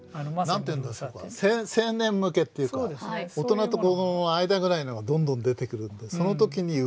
何て言うんでしょうか青年向けっていうか大人と子どもの間ぐらいのがどんどん出てくるんでその時に受けたわけですよね。